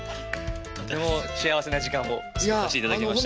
とても幸せな時間を過ごさせていただきました。